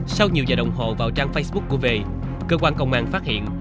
sau nhiều giờ đồng hồ vào trang facebook của ve cơ quan công an phát hiện